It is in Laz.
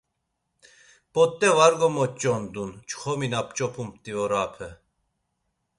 p̌ot̆e var gomoç̌ondun çxomi na p̌ç̌opumt̆i orape.